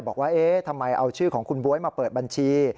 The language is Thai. บอกว่าเอ๊ะทำไมเอาชื่อของคุณบ๊วยมาเปิดบัญชี